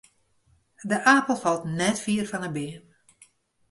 De apel falt net fier fan 'e beam.